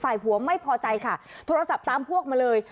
ผัวไม่พอใจค่ะโทรศัพท์ตามพวกมาเลย